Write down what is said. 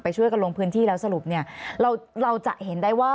ไปช่วยกันลงพื้นที่แล้วสรุปเราจะเห็นได้ว่า